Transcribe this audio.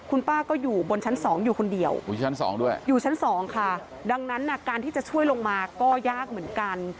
คุณป้าก็อยู่บนชั้นสองอยู่คนเดียวชั้นสองด้วยอยู่ชั้นสองค่ะดังนั้นการที่จะช่วยลงมาก็ยากเหมือนกัน